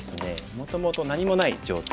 もともと何もない状態。